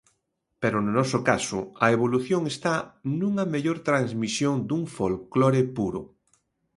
Pero no noso caso a evolución está nunha mellor transmisión dun folclore puro.